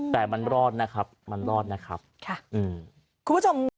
แต่มันรอดนะครับมันรอดนะครับค่ะอืมคุณผู้ชม